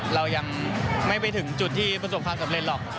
เรายังไม่ไปถึงจุดที่ประสบความสำเร็จหรอก